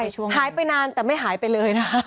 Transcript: หายไปนานแต่ไม่หายไปเลยนะ